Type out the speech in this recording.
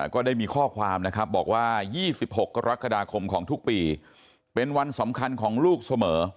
ก็ได้มีข้อความนะครับบอกว่า๒๖กรกฎาคมของทุกปีเป็นวันสำคัญของลูกเสมอ